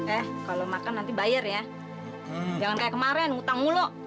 eh kalau makan nanti bayar ya jangan kayak kemarin ngutang mulu